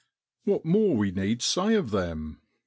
What more need we say of them?